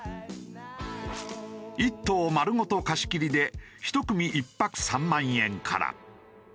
一棟丸ごと貸し切りで１組１泊３万円から。